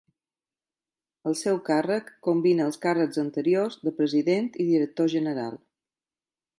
El seu càrrec combina els càrrecs anteriors de president i director general.